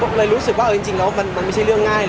ก็เลยรู้สึกว่าจริงแล้วมันไม่ใช่เรื่องง่ายเลย